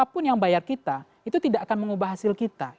siapapun yang bayar kita itu tidak akan mengubah hasil kita